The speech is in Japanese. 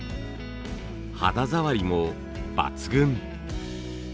肌触りも抜群。